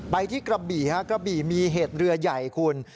ไปที่กะบีมีเหตุเรือใหญ่คุณ